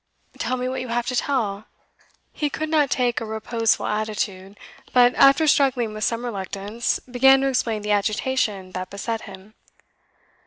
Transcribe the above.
Tell me what you have to tell.' He could not take a reposeful attitude, but, after struggling with some reluctance, began to explain the agitation that beset him.